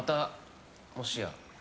もしや。